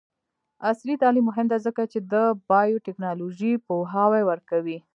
عصري تعلیم مهم دی ځکه چې د بایوټیکنالوژي پوهاوی ورکوي.